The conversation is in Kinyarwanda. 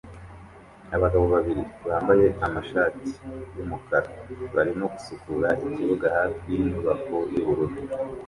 Abagabo babiri bambaye amashati yumukara barimo gusukura ikibuga hafi yinyubako yubururu